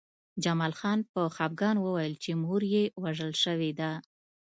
جمال خان په خپګان وویل چې مور یې وژل شوې ده